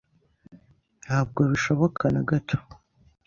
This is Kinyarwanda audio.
Ntabwo bishoboka na gato.